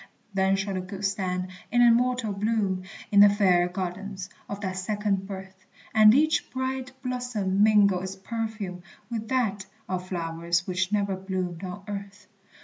Then shall the good stand in immortal bloom, In the fair gardens of that second birth; And each bright blossom mingle its perfume With that of flowers which never bloomed on earth.